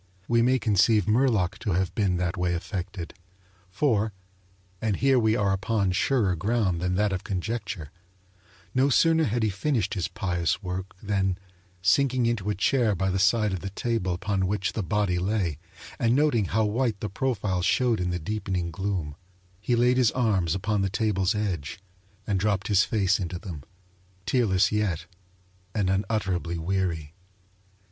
We may conceive Murlock to have been that way affected, for (and here we are upon surer ground than that of conjecture) no sooner had he finished his pious work than, sinking into a chair by the side of the table upon which the body lay, and noting how white the profile showed in the deepening gloom, he laid his arms upon the table's edge, and dropped his face into them, tearless yet and unutterably weary.